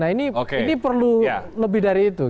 nah ini perlu lebih dari itu